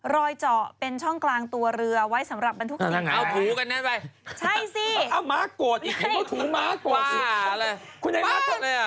รอยเจาะเป็นช่องกลางตัวเรือไว้สำหรับบรรทุกสิ่ง